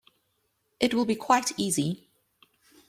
It will be quite easy.